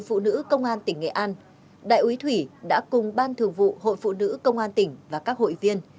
phụ nữ công an tỉnh nghệ an đại úy thủy đã cùng ban thường vụ hội phụ nữ công an tỉnh và các hội viên